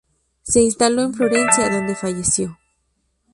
Se instaló en Florencia, donde falleció.